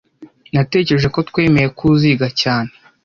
Natekereje ko twemeye ko uziga cyane